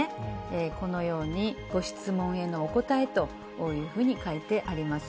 このように、ご質問へのお答えというふうに書いてあります。